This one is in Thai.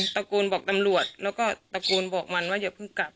ตะโกนบอกตำรวจแล้วก็ตะโกนบอกมันว่าอย่าเพิ่งกลับ